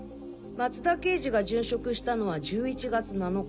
松田刑事が殉職したのは１１月７日。